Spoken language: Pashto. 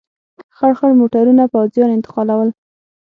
خړ خړ موټرونه پوځیان انتقالول.